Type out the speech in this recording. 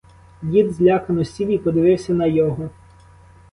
Дід злякано сів і подивився на його.